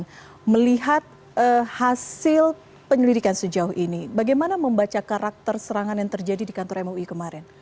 bagaimana melihat hasil penyelidikan sejauh ini bagaimana membaca karakter serangan yang terjadi di kantor mui kemarin